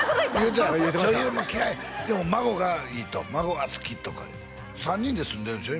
言ってた「女優も嫌い」でも「孫がいい」と「孫が好き」とか３人で住んでるんでしょ？